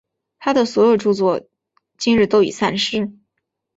他所有的着作今日都已散失。